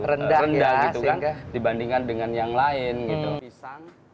rendah gitu kan dibandingkan dengan yang lain gitu